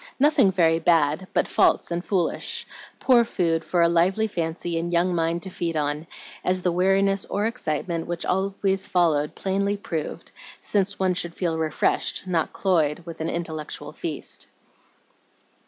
Nothing very bad, but false and foolish, poor food for a lively fancy and young mind to feed on, as the weariness or excitement which always followed plainly proved, since one should feel refreshed, not cloyed, with an intellectual feast.